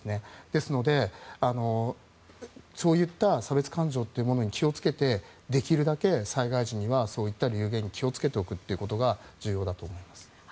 ですのでそういった差別感情というものに気を付けてできるだけ災害時にはそういう流言に気を付けておくことが重要だと思います。